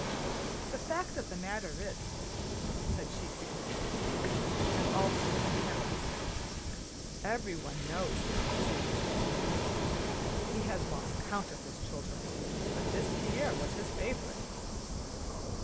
"The fact of the matter is," said she significantly, and also in a half whisper, "everyone knows Count Cyril's reputation.... He has lost count of his children, but this Pierre was his favorite."